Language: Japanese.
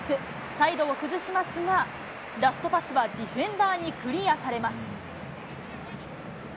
サイドを崩しますが、ラストパスはディフェンダーにクリアされます。